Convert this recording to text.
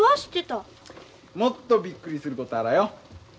もっとびっくりすることあらよ。